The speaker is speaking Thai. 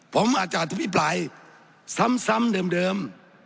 ผมอาจจะอภิปรายซ้ำเดิม